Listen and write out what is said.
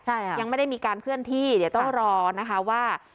ใช่ค่ะอย่างไม่ได้มีการเคลื่อนที่ต้องรอนะคะว่า